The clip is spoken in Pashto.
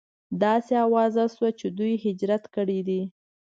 داسې اوازه شوه چې دوی هجرت کړی دی.